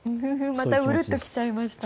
またウルっとしちゃいました。